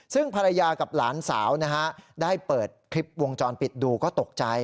ซึ่งภรรยากับหลานสาวนะฮะได้เปิดคลิปวงจรปิดดูก็ตกใจ